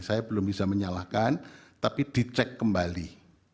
saya belum bisa menyalahkan tapi dicek kembali